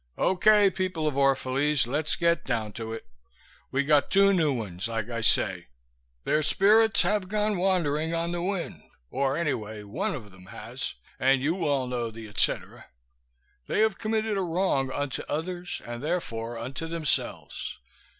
"Okay, people of Orphalese, let's get down to it. We got two new ones, like I say. Their spirits have gone wandering on the wind, or anyway one of them has, and you all know the et cetera. They have committed a wrong unto others and therefore unto themselves.